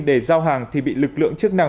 để giao hàng thì bị lực lượng chức năng